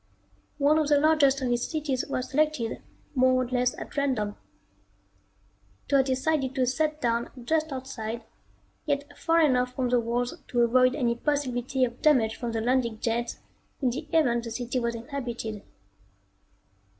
One of the largest of these cities was selected more or less at random. It was decided to set down just outside, yet far enough from the walls to avoid any possibility of damage from the landing jets in the event the city was inhabited.